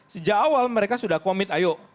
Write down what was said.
sejak awal mereka sudah komit ayo